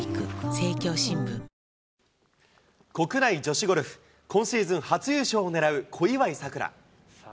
新しくなった今シーズン初優勝を狙う小祝さくら。